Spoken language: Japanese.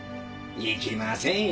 行きませんよ。